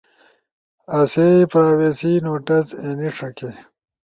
آسے پرائیویسی نوٹس اینی ݜکے۔